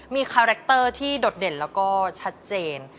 มีคาแรคเตอร์ที่โดดเด่นแล้วก็ชัดเจน